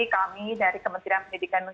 kami dari kementerian pendidikan